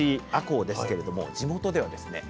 こうですけれども地元ではですね